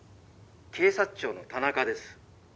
「警察庁の田中です。